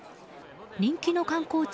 人気の観光地